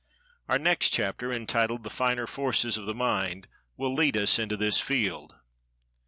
Our next chapter, entitled "The Finer Forces of the Mind," will lead us into this field.